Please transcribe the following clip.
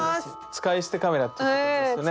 使い捨てカメラっていうやつですよね。